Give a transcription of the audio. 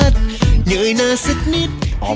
สวัสดีครับ